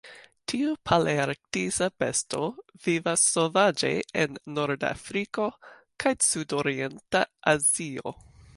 Tiu palearktisa besto vivas sovaĝe en Nord-Afriko kaj sudorienta Azio.